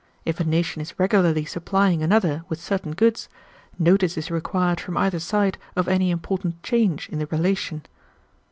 If a nation is regularly supplying another with certain goods, notice is required from either side of any important change in the relation."